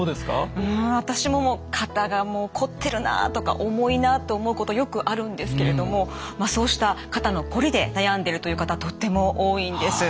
うん私ももう肩がもうこってるなとか重いなと思うことよくあるんですけれどもそうした肩のこりで悩んでるという方とっても多いんです。